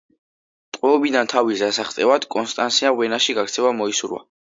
ტყვეობიდან თავის დასაღწევად კონსტანსიამ ვენაში გაქცევა მოისურვა.